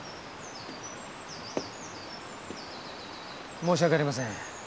申し訳ありません。